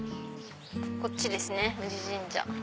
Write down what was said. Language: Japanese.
こっちですね宇治神社。